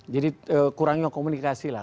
jadi kurangnya komunikasi lah